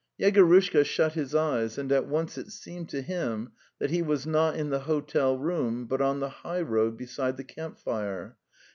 Yegorushka shut his eyes, and at once it seemed to him that he was not in the hotel room, but on the highroad be side the camp fire.